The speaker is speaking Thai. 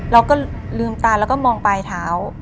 เราก็ลืมตาแล้วก็มองปลายเท้า